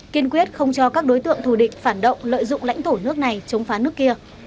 kiên quyết không cho các đối tượng thù địch phản động lợi dụng lãnh thổ nước này chống phá nước kia